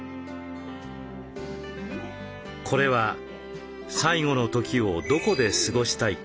これは「最期の時をどこで過ごしたいか？」